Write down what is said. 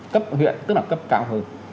cấp huyện tức là cấp cao hơn